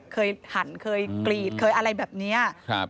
หั่นเคยกรีดเคยอะไรแบบเนี้ยครับ